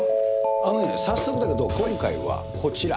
あのね、早速だけど、今回はこちら。